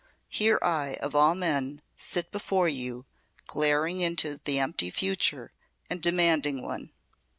Here I, of all men, sit before you glaring into the empty future and demanding one.